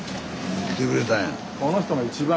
来てくれたんや。